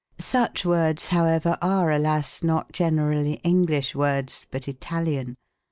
Such words, however, are, alas ! not generally English words, but Italian.